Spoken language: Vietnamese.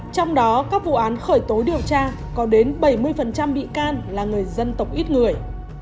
trong đó các vụ án khởi tố điều tra có đến bảy mươi bị can là người dân tộc ít người